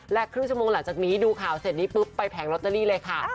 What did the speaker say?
และครึ่งชั่วโมงหลังจากนี้ดูข่าวเสร็จนี้ปุ๊บไปแผงลอตเตอรี่เลยค่ะ